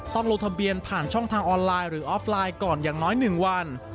ลงทะเบียนผ่านช่องทางออนไลน์หรือออฟไลน์ก่อนอย่างน้อย๑วัน